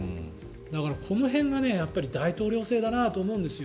だからこの辺が大統領制だなと思うんですよ。